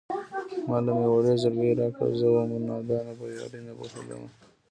ما له مې وړی زړگی راکړه زه وم نادانه په يارۍ نه پوهېدمه